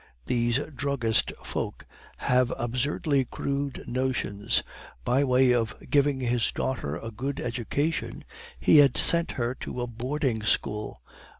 These druggist folk have absurdly crude notions; by way of giving his daughter a good education, he had sent her to a boarding school!